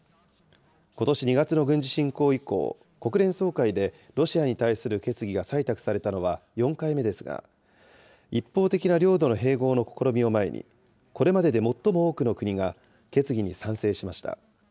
ことし２月の軍事侵攻以降、国連総会でロシアに対する決議が採択されたのは４回目ですが、一方的な領土の併合の試みを前に、これまでで最も多くの国が決議に賛成しました。